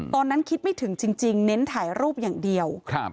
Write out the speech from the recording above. ตอนนั้นคิดไม่ถึงจริงเน้นถ่ายรูปอย่างเดียว